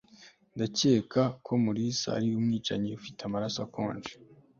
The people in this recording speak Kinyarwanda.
ndakeka ko mulisa ari umwicanyi ufite amaraso akonje